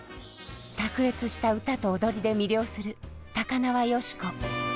卓越した歌と踊りで魅了する高輪芳子。